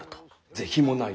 「是非もない。